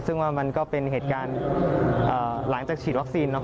ซึ่งว่ามันก็เป็นเหตุการณ์หลังจากฉีดวัคซีน